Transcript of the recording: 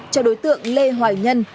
cho đối tượng lê hoài nhân